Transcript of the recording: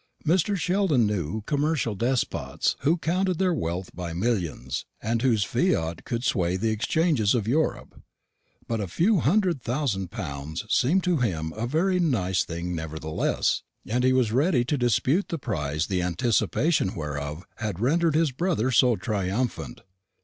Mr. Sheldon knew commercial despots who counted their wealth by millions, and whose fiat could sway the exchanges of Europe; but a hundred thousand pounds seemed to him a very nice thing nevertheless, and he was ready to dispute the prize the anticipation whereof had rendered his brother so triumphant.